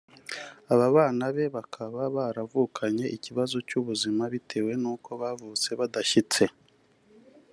Aba bana be bakaba baravukanye ikibazo cy'ubuzima bitewe nuko bavutse badashyitse